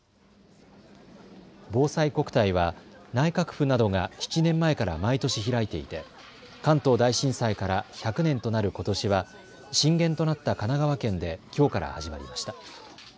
ぼうさいこくたいは内閣府などが７年前から毎年開いていて関東大震災から１００年となることしは震源となった神奈川県できょうから始まりました。